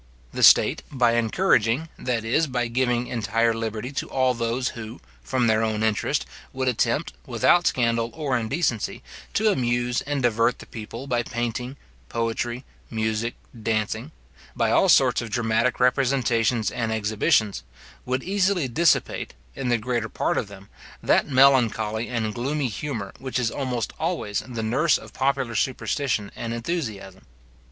The state, by encouraging, that is, by giving entire liberty to all those who, from their own interest, would attempt, without scandal or indecency, to amuse and divert the people by painting, poetry, music, dancing; by all sorts of dramatic representations and exhibitions; would easily dissipate, in the greater part of them, that melancholy and gloomy humour which is almost always the nurse of popular superstition and enthusiasm.